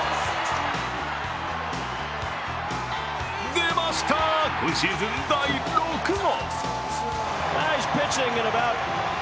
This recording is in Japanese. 出ました、今シーズン第６号。